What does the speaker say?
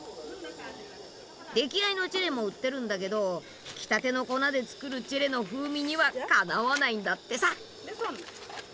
出来合いのチェレも売ってるんだけどひきたての粉で作るチェレの風味にはかなわないんだってさ。